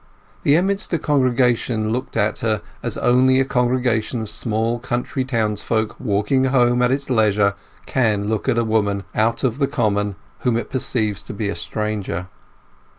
The Emminster congregation looked at her as only a congregation of small country townsfolk walking home at its leisure can look at a woman out of the common whom it perceives to be a stranger.